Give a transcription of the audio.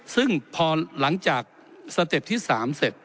ซึ่งพอหลังจากสเต็ปที่๓เสร็จ